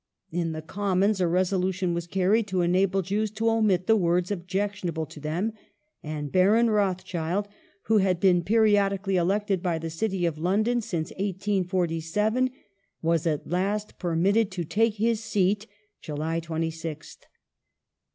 In the Commons, a resolution was carried to enable Jews to omit the words objectionable to them and Baron Rothschild, who had been periodically elected by the City of London since 1847 was at last permitted to take his seat (July 26th).